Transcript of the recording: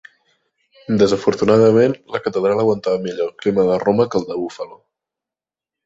Desafortunadament, la catedral aguantava millor el clima de Roma que el de Buffalo.